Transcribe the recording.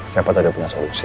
siapa tadi punya solusi